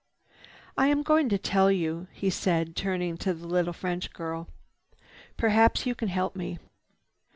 "I am going to tell you," he said, turning to the little French girl. "Perhaps you can help me."